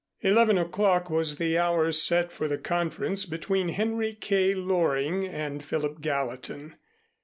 Eleven o'clock was the hour set for the conference between Henry K. Loring and Philip Gallatin.